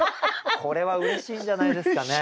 これはうれしいんじゃないですかね。